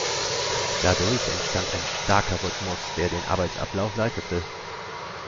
Dadurch entstand ein starker Rhythmus, der den Arbeitsablauf leitete.